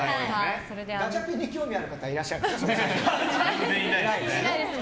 ガチャピンに興味ある方いらっしゃる？